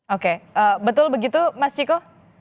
oke betul begitu mas ciko